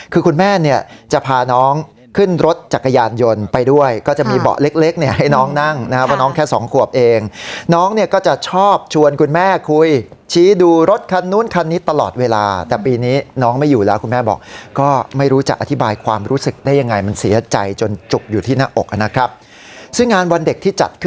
คือคุณแม่เนี่ยจะพาน้องขึ้นรถจักรยานยนต์ไปด้วยก็จะมีเบาะเล็กเล็กเนี่ยให้น้องนั่งนะครับว่าน้องแค่สองขวบเองน้องเนี่ยก็จะชอบชวนคุณแม่คุยชี้ดูรถคันนู้นคันนี้ตลอดเวลาแต่ปีนี้น้องไม่อยู่แล้วคุณแม่บอกก็ไม่รู้จะอธิบายความรู้สึกได้ยังไงมันเสียใจจนจุกอยู่ที่หน้าอกนะครับซึ่งงานวันเด็กที่จัดค